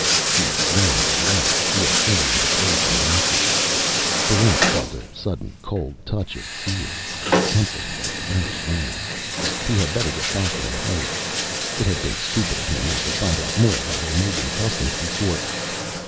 He slammed the last steel shutter into place and locked it. Barrent felt a sudden cold touch of fear. Something was very wrong. He had better get back in a hurry. It had been stupid of him not to find out more about Omegan customs before....